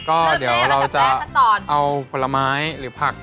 ก็เดี๋ยวเราจะเอาผลไม้หรือผัก